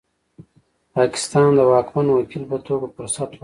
پاکستان د واکمن وکیل په توګه فرصت وموند.